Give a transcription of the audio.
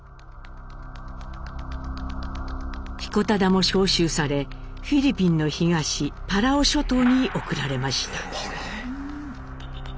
彦忠も召集されフィリピンの東パラオ諸島に送られました。